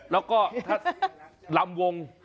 แล้วก็ลำง